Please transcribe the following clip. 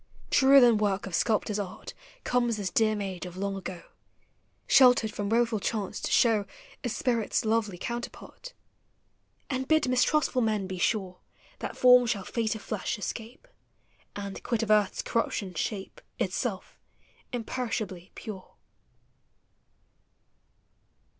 Truer than work of sculptor's art Comes this dear maid of long ago, Sheltered from woful chance, to show A spirit's lovely counterpart, And bid mistrustful men be sure That form shall fate of llesh escape. And, quit of earth's corruptions, shape Itself, imperishably pure.